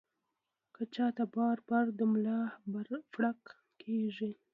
کۀ چاته بار بار د ملا پړق کيږي